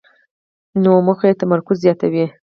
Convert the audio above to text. نوې موخه تمرکز زیاتوي